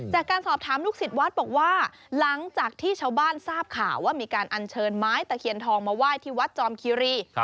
จากการสอบถามลูกศิษย์วัดบอกว่าหลังจากที่ชาวบ้านทราบข่าวว่ามีการอัญเชิญไม้ตะเคียนทองมาไหว้ที่วัดจอมคีรี